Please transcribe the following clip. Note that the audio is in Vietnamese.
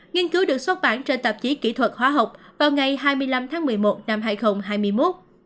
nghiên cứu được xuất bản trên tạp chí kỹ thuật hóa học vào ngày hai mươi năm tháng một mươi một năm hai nghìn hai mươi một